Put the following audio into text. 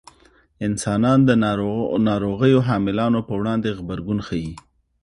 انسانان د ناروغیو حاملانو په وړاندې غبرګون ښيي.